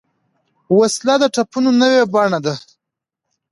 وسله د ټپونو نوې بڼه ده